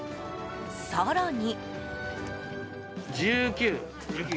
更に。